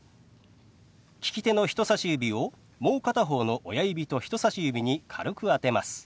利き手の人さし指をもう片方の親指と人さし指に軽く当てます。